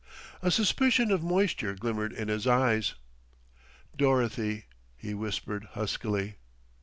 A suspicion of moisture glimmered in his eyes. "Dorothy!" he whispered huskily.